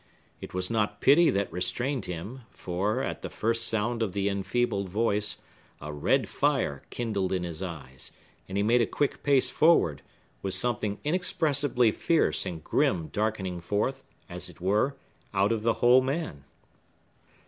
It was not pity that restrained him, for, at the first sound of the enfeebled voice, a red fire kindled in his eyes, and he made a quick pace forward, with something inexpressibly fierce and grim darkening forth, as it were, out of the whole man.